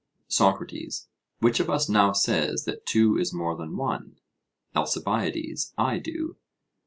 SOCRATES: Which of us now says that two is more than one? ALCIBIADES: I do.